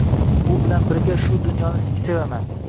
U bilan birga shu dunyoni sevaman